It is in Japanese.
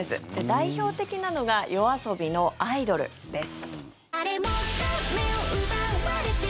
代表的なのがＹＯＡＳＯＢＩの「アイドル」です。